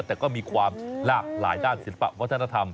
แต่ก็มีความหลากหลายด้านศิลปะวัฒนธรรม